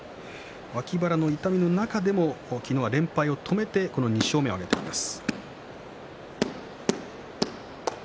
脇腹の痛みの中で昨日は連敗を止めて２勝目を挙げています。